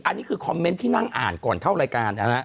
อันนี้คือคอมเมนต์ที่นั่งอ่านก่อนเข้ารายการนะฮะ